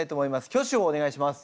挙手をお願いします。